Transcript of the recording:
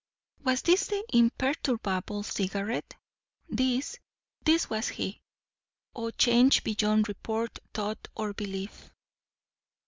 Was this the imperturbable Cigarette? This, this was he. O change beyond report, thought, or belief!